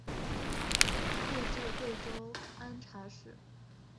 官至贵州按察使。